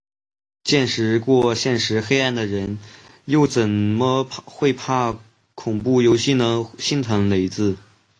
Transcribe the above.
见识过现实黑暗的人，又怎么会怕恐怖游戏呢，心疼雷子